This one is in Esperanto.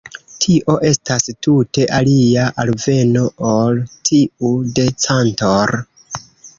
Tio estas tute alia alveno ol tiu de Cantor.